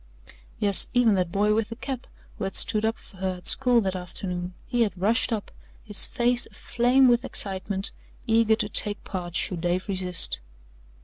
Yes, even that boy with the cap who had stood up for her at school that afternoon he had rushed up, his face aflame with excitement, eager to take part should Dave resist.